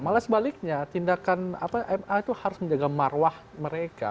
malah sebaliknya tindakan ma itu harus menjaga marwah mereka